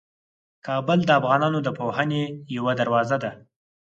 کابل د افغانانو د پوهنې یوه دروازه ده.